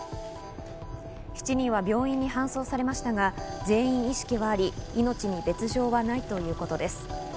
７人は病院に搬送されましたが、全員意識はあり、命に別条はないということです。